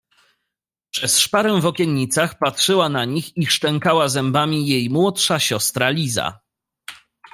Przez szparę w okiennicach patrzyła na nich i szczękała zębami jej młodsza siostra Liza.